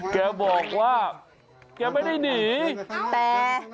เค้าบอกว่าเค้าไม่ได้หนีแต่